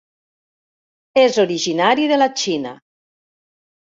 És originari de la Xina.